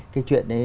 cái chuyện này